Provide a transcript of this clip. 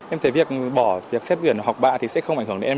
em thấy việc bỏ việc xét tuyển hoặc học bạ thì sẽ không ảnh hưởng đến em